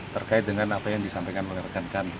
terkait dengan apa yang disampaikan oleh rekan rekan